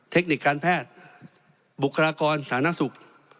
เทคนิคการแพทย์บุคลากรสาธารณสุข